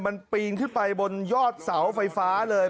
มันปีนขึ้นไปบนยอดเสาไฟฟ้าเลย